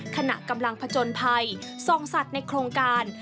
ขณะกำลังผจญภัยส่องสัตว์ในโครงการ